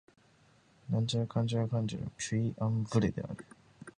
オート＝ロワール県の県都はル・ピュイ＝アン＝ヴレである